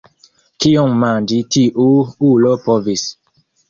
Kiom manĝi tiu ulo povis!